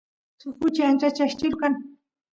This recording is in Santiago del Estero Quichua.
kuchi ancha cheqchilu kan